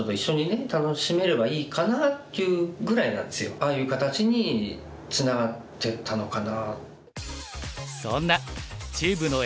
ああいう形につながっていったのかな。